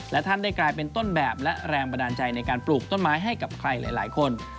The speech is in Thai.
และท่านได้กลายเป็นต้นแบบและแรงบันดาลใจในการปลูกต้นไม้ให้กับใครหลายคน